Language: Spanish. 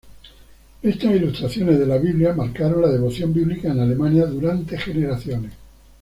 Estas "ilustraciones de la Biblia" marcaron la devoción bíblica en Alemania durante generaciones.